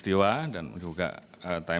terima kasih terima kasih